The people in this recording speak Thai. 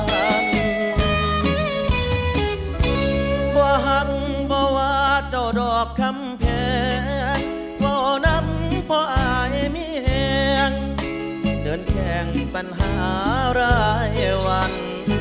ว่าหังว่าวาเจ้าดอกคำแผงก็นำเพราะอายมีแห่งเดินแข่งปัญหารายวัน